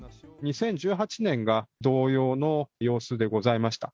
２０１８年が同様の様子でございました。